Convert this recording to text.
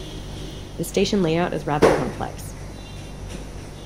The station layout is rather complex.